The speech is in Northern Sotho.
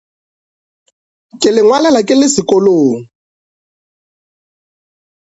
Ke le ngwalela ke le sekolong.